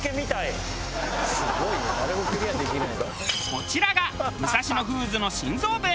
こちらが武蔵野フーズの心臓部。